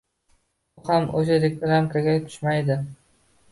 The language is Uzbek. bu ham oʻsha ramkaga tushmaydi